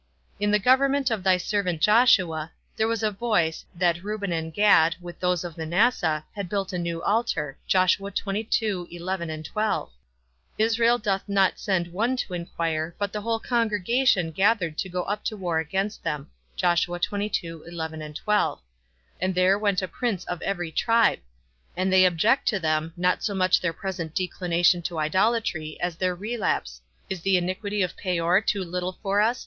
In the government of thy servant Joshua, there was a voice, that Reuben and Gad, with those of Manasseh, had built a new altar. Israel doth not send one to inquire, but the whole congregation gathered to go up to war against them, and there went a prince of every tribe; and they object to them, not so much their present declination to idolatry, as their relapse: _Is the iniquity of Peor too little for us?